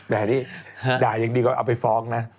แบบนี้ด่ายังดีกว่าเอาไปฟ้องนะ